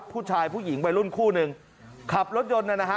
ผู้ชายผู้หญิงวัยรุ่นคู่หนึ่งขับรถยนต์น่ะนะฮะ